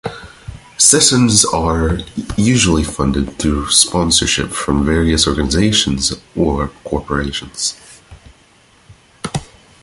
Sessions are usually funded through sponsorship from various organisations or corporations.